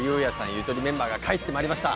ゆとりメンバーが帰ってまいりました。